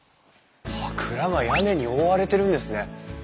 蔵が屋根に覆われてるんですね。